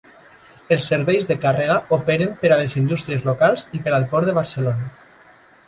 Els serveis de càrrega operen per a les indústries locals i per al Port de Barcelona.